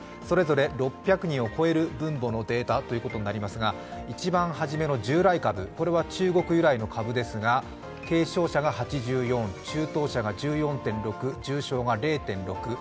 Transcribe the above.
それぞれ６００人を超える分母のデータということになりますが一番初めの従来株、これは中国由来の株ですが、軽症者が８４、中等者が１４．６重症が０．６。